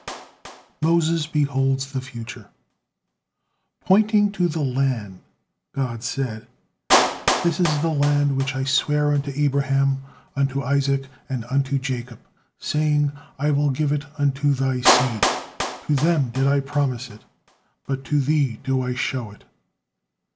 MOSES BEHOLDS THE FUTURE Pointing to the land, God said: "'This is the land which I sware unto Abraham, unto Isaac, and unto Jacob, saying, I will give it unto thy seed;' to them did I promise it, but to thee do I show it."